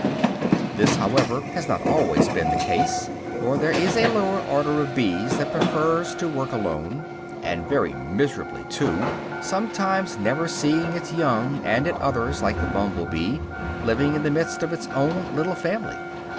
This, however, has not always been the case, for there is a lower order of bees that prefers to work alone, and very miserably too, sometimes never seeing its young, and at others, like the bumble bee, living in the midst of its own little family.